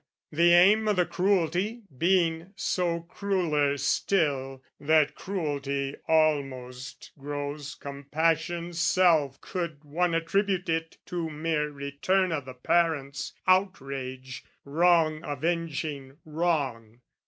The aim o' the cruelty being so crueller still, That cruelty almost grows compassion's self Could one attribute it to mere return O' the parents' outrage, wrong avenging wrong.